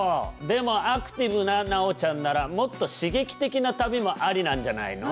でもアクティブな奈央ちゃんならもっと刺激的な旅もアリなんじゃないの？